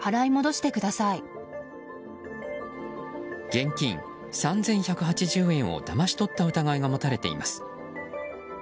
現金３１８０円をだまし取った疑いが持たれています。